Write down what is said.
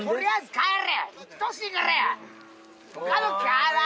帰れ。